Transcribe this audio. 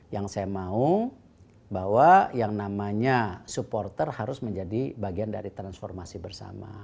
yang saya mau bahwa yang namanya supporter harus menjadi bagian dari transformasi bersama